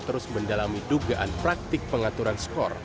terus mendalami dugaan praktik pengaturan skor